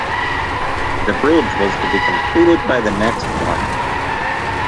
The bridge was to be completed by the next morning.